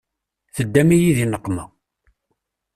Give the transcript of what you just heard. Teddam-iyi di nneqma.